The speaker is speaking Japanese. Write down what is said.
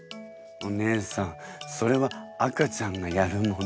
お姉さんそれは赤ちゃんがやるもの。